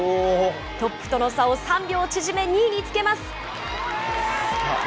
トップとの差を３秒縮め、２位につけます。